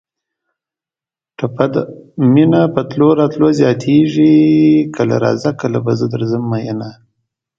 ټپه ده: مینه په تلو راتلو زیاتېږي کله راځه کله به زه درځم مینه